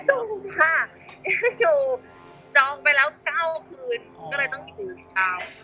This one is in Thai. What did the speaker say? ยังอยู่ค่ะยังอยู่จองไปแล้ว๙คืนก็เลยต้องอยู่อีก๙